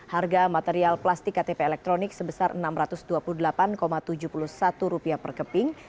harga material plastik ktp elektronik sebesar rp enam ratus dua puluh delapan tujuh puluh satu per keping